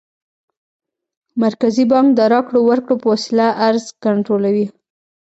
مرکزي بانک د راکړو ورکړو په وسیله عرضه کنټرولوي.